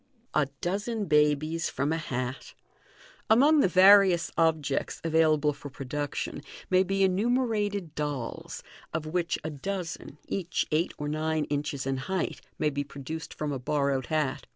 A Dozen Babies from a Hat. — Among the various objects available for production, may be enumerated dolls, of which a dozen, each eight or nine inches in height, may be produced from a borrowed hat.